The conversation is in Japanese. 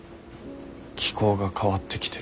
気候が変わってきてる。